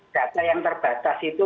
data yang terbatas itu